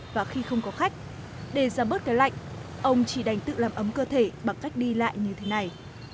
và khi không có khách để giảm bớt cái lạnh ông chỉ đành tự làm ấm cơ thể bằng cách đi lại như thế này